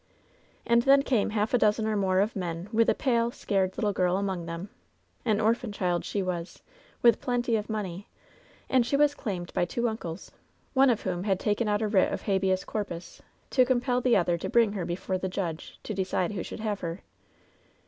"And then came half a dozen or more of men with a pale, scared little girl among them. An orphan child, she was, with plenty of money, and she was claimed by two uncles, one of whom had taken out a writ of habeas corpus, to compel the other to bring her before the judge, to decide who should have her.